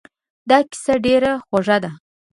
دا کیسه ډېره خوږه ده.